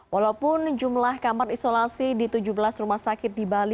walaupun jumlah kamar isolasi di tujuh belas rumah sakit di bali